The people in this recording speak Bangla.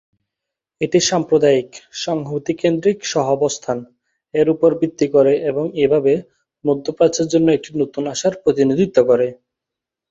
এটি "সাম্প্রদায়িক, সংহতি কেন্দ্রিক সহাবস্থান" এর উপর ভিত্তি করে এবং এভাবে "মধ্যপ্রাচ্যের জন্য একটি নতুন আশার প্রতিনিধিত্ব করে।"